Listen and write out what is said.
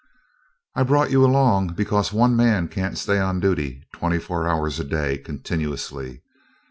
"I brought you along because one man can't stay on duty twenty four hours a day, continuously.